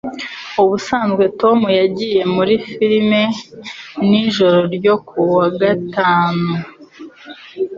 Ubusanzwe Tom yagiye muri firime nijoro ryo kuwa gatanu.